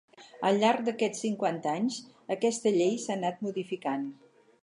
Al llarg d'aquests cinquanta anys, aquesta llei s'ha anat modificant.